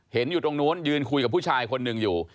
เห็นอยู่ตรงนู้นยืนคุยกับผู้ชายคนหนึ่งอยู่